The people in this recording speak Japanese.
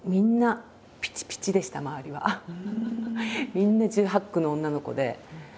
みんな１８１９の女の子で。